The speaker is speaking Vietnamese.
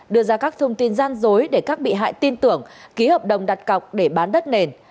đưa ra các thông tin gian dối để các bị hại tin tưởng ký hợp đồng đặt cọc để bán đất nền